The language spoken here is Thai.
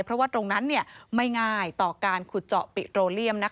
เพราะว่าตรงนั้นไม่ง่ายต่อการขุดเจาะปิโตเลียม